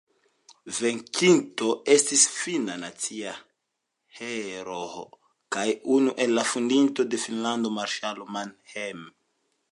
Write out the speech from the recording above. Venkinto estis finna nacia heroo kaj unu el la fondintoj de Finnlando marŝalo Mannerheim.